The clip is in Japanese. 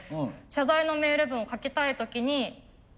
謝罪のメール文を書きたい時に。